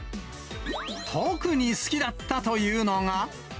特に好きだったというのが。